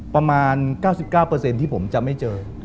ประมาณ๙๙เปอร์เซ็นต์ที่ผมจะไม่เจอ